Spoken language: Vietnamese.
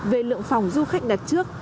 về lượng phòng du khách đặt trước